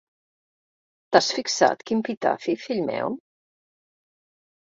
T'has fixat quin pitafi, fill meu?